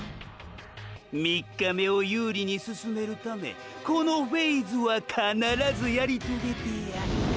３日目を有利に進めるためこのフェイズは必ずやりとげてや。